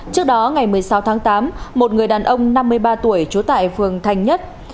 trước đó ngày một mươi sáu tháng tám một người đàn ông năm mươi ba tuổi trú tại phường thành nhất